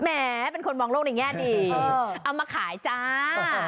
แหมเป็นคนมองโลกอย่างนี้เอามาขายจ้า